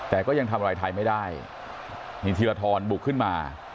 แต่ก็ยังทำอะไรไทยไม่ได้มีธีรทรบุกขึ้นมา